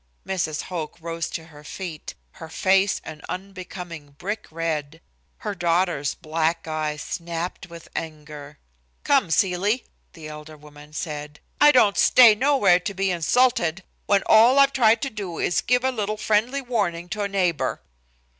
Mrs. Hoch rose to her feet, her face an unbecoming brick red. Her daughter's black eyes snapped with anger. "Come, Celie," the elder woman said, "I don't stay nowhere to be insulted, when all I've tried to do is give a little friendly warning to a neighbor."